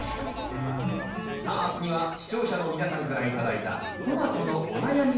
さあ次は視聴者の皆さんから頂いたトマトのお悩みを解決。